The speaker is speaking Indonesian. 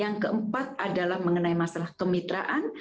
yang keempat adalah mengenai masalah kemitraan